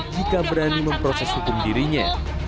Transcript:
jika berani memproses hukum dirinya